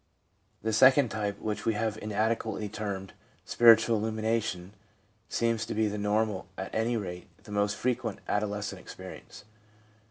The second type, which we have inadequately termed spiritual illumination, seems to be the normal — at any rate, the most frequent — adolescent experience.